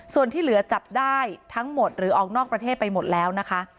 ส่วนที่เหลือจับได้ทั้งหมดหรือออกนอกประเทศไปหมดแล้วนะคะ